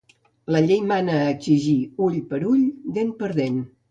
La llei mana exigir ull per ull, dent per dent.